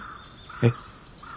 えっ？